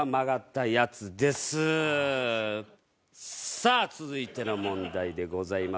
さあ続いての問題でございます。